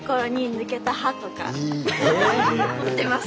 持ってます